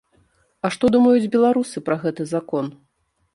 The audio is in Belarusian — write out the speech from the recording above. А што думаюць беларусы пра гэты закон?